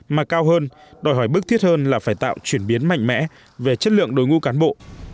mà cao hơn đòi hỏi bức thiết hơn là phải tạo chuyển biến mạnh mẽ về chất lượng đối ngũ cán bộ